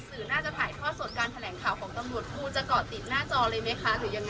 คุณครับขอบคุณครับ